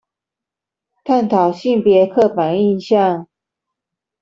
探討性別刻板印象